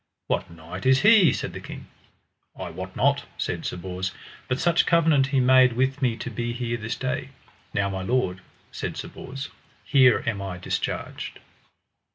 What knight is he? said the king. I wot not, said Sir Bors, but such covenant he made with me to be here this day. Now my lord, said Sir Bors, here am I discharged.